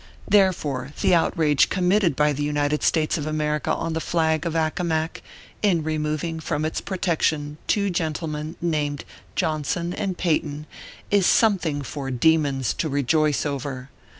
Therefore, the outrage committed by the United States of America on the flag of Accomac, in remov ing from its protection two gentlemen named John ORPHEUS C. KERR PAPERS. 181 son and Peyton, is something for demons to rejoice over.